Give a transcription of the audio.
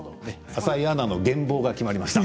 浅井アナの減俸が決まりました。